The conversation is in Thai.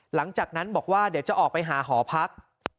หลังจากนั้นบอกว่าเดี๋ยวจะออกไปหาหอพัก